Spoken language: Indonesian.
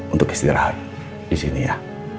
untuk istirahat disini ya